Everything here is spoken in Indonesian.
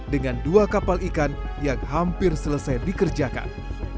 dengan dua kapal ikan yang hampir selesai dikerjakan